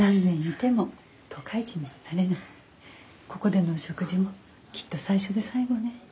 ここでのお食事もきっと最初で最後ね。